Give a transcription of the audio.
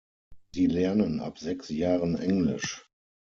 Sie lernen ab sechs Jahren Englisch.